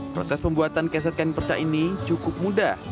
proses pembuatan keset kain perca ini cukup mudah